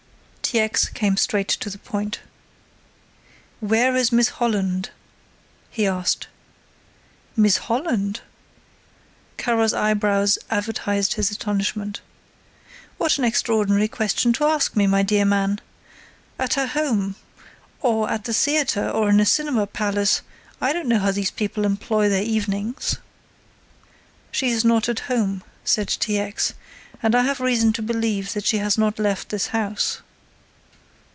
T. X. came straight to the point. "Where is Miss Holland!" he asked. "Miss Holland?" Kara's eyebrows advertised his astonishment. "What an extraordinary question to ask me, my dear man! At her home, or at the theatre or in a cinema palace I don't know how these people employ their evenings." "She is not at home," said T. X., "and I have reason to believe that she has not left this house."